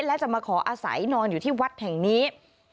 และจะมาขออาศัยนอนอยู่ที่วัดแห่งนี้